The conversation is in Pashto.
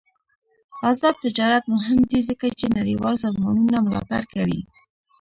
آزاد تجارت مهم دی ځکه چې نړیوال سازمانونه ملاتړ کوي.